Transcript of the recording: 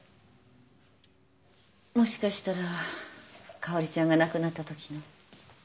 もしかしたらかおりちゃんが亡くなったときの？